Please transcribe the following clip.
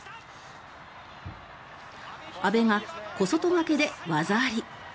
阿部が小外掛けで技あり。